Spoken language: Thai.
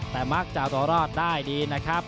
แต่มักจะตัวรอดได้ดีนะครับ